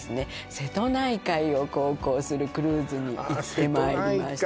瀬戸内海を航行するクルーズに行ってまいりました